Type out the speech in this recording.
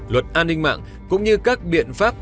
luật an ninh mạng cũng như các biện pháp